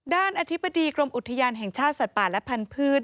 อธิบดีกรมอุทยานแห่งชาติสัตว์ป่าและพันธุ์